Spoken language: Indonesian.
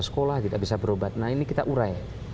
sekolah tidak bisa berobat nah ini kita urai